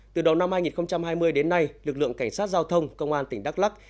từ đầu năm hai nghìn hai mươi đến nay lực lượng cảnh sát giao thông công an tỉnh đắk lắc